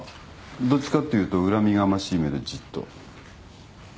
どっちかっていうと恨みがましい目でじっと。